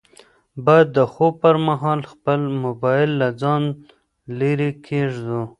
باید د خوب پر مهال خپل موبایل له ځانه لیرې کېږدو.